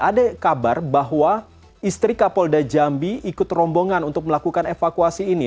ada kabar bahwa istri kapolda jambi ikut rombongan untuk melakukan evakuasi ini